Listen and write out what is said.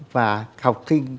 và học sinh có các trường công